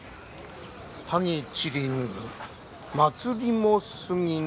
「萩散りぬ祭りも過ぎぬたち仏」